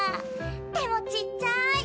手もちっちゃい！